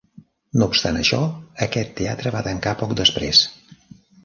No obstant això, aquest teatre va tancar poc després.